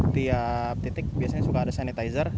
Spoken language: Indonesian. tiap titik biasanya suka ada sanitizer